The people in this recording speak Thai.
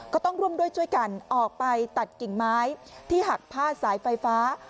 ก็ต้องร่วมด้วยช่วยกันออกไปตัดกิ่งไม้ที่หักพาดสายไฟฟ้า